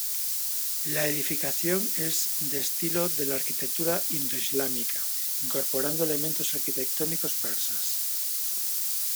La edificación es de estilo de la arquitectura indo-islámica, incorporando elementos arquitectónicos persas.